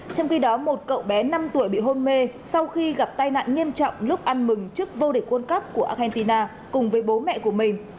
trong khi đó một cậu bé năm tuổi bị hôn mê sau khi gặp tai nạn nghiêm trọng lúc ăn mừng trước vô địch quân cấp của argentina cùng với bố mẹ của mình